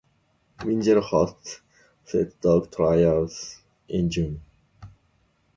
Wingello hosts Sled Dog Trials in June.